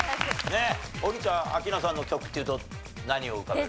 王林ちゃん明菜さんの曲っていうと何を浮かべる？